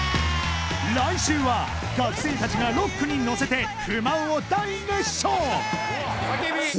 来週は学生たちがロックに乗せて不満を大熱唱